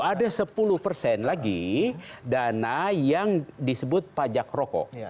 ada sepuluh persen lagi dana yang disebut pajak rokok